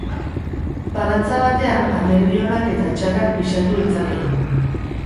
Balantza batean alderdi onak eta txarrak pisatu ditzakegu.